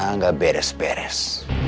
di sana nggak beres beres